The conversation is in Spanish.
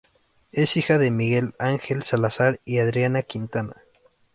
Es hija de Miguel Ángel Salazar y Adriana Quintana.